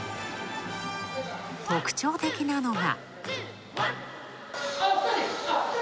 特徴的なのが。